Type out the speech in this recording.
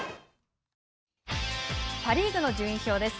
パ・リーグの順位表です。